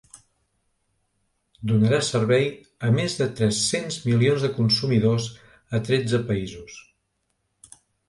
Donarà servei a més de tres-cents milions de consumidors a tretze països.